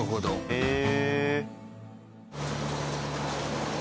へえ！